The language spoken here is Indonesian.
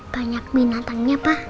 banyak binatangnya pak